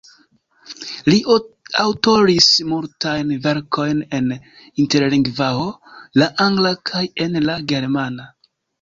Li aŭtoris multajn verkojn en Interlingvao, la angla kaj en la germana.